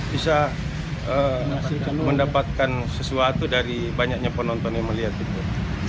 bisa mendapatkan sesuatu dari banyaknya penonton yang melihat itu